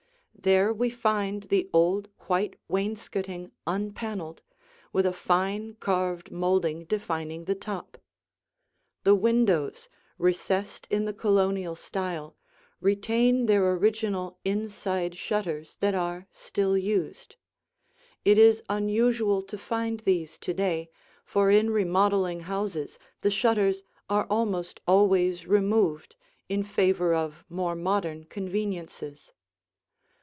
There we find the old white wainscoting unpaneled, with a fine carved molding defining the top. The windows, recessed in the Colonial style, retain their original inside shutters that are still used. It is unusual to find these to day, for in remodeling houses the shutters are almost always removed in favor of more modern conveniences.